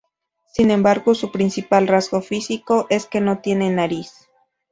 Sin embargo su principal rasgo físico es que no tiene nariz.